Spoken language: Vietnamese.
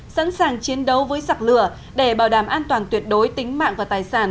sẵn sàng chiến đấu với giặc lửa để bảo đảm an toàn tuyệt đối tính mạng và tài sản